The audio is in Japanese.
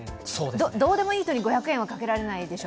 どうでもいい人に５００円はかけられないでしょ？